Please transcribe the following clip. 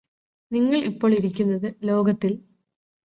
നിങ്ങള് ഇപ്പോൾ ഇരിക്കുന്നത് ലോകത്തിൽ